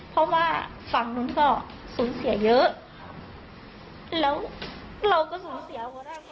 เพราะว่าฝั่งลุงท่อสูญเสียเยอะแล้วเราก็สูญเสีย